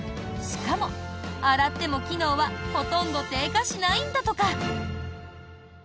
しかも、洗っても機能はほとんど低下しないんだとか。